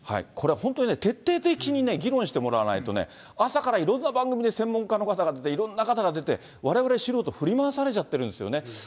これは本当にね、徹底的に議論してもらわないとね、朝からいろんな番組で専門家の方が出て、いろんな方が出て、われわれ素人、振り回されちゃってるんですよね。